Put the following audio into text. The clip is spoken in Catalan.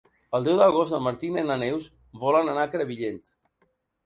El deu d'agost na Martina i na Neus volen anar a Crevillent.